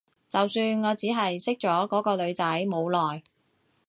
就算我只係識咗嗰個女仔冇耐